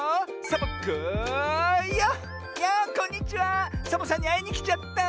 サボさんにあいにきちゃった！